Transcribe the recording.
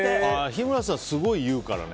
日村さん、すごい言うからね。